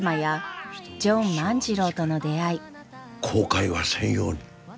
後悔はせんように。